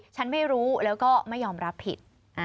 ฉันไม่รู้แล้วก็ไม่ยอมรับผิด